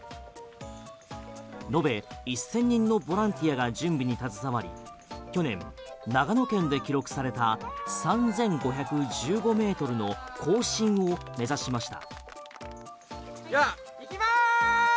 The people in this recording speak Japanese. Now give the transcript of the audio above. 延べ１０００人のボランティアが準備に携わり去年、長野県で記録された３５１５ｍの更新を目指しました。